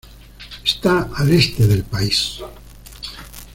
Está al este del país.